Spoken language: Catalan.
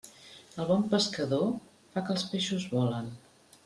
El bon pescador fa que els peixos volen.